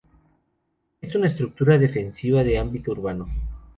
Es una estructura defensiva de ámbito urbano.